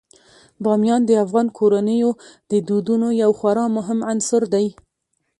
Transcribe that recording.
بامیان د افغان کورنیو د دودونو یو خورا مهم عنصر دی.